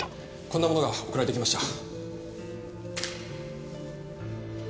こんなものが送られてきました。